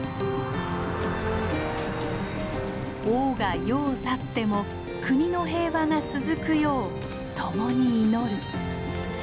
王が世を去っても国の平和が続くよう共に祈る。